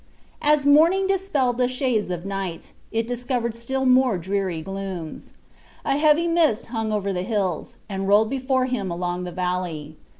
As morning dispelled the shades of night, it discovered still more dreary glooms. A heavy mist hung over the hills, and rolled before him along the valley.